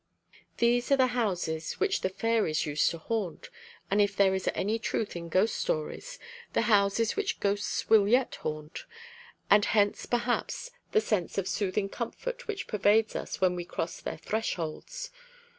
These are the houses which the fairies used to haunt, and if there is any truth in ghost stories, the houses which ghosts will yet haunt; and hence perhaps the sense of soothing comfort which pervades us when we cross their thresholds.